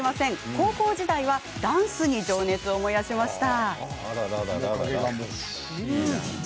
高校時代はダンスに情熱を燃やしました。